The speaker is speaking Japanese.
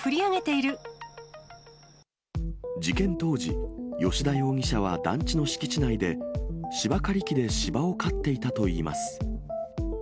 事件当時、吉田容疑者は団地の敷地内で、芝刈り機で芝を刈っていたといいます。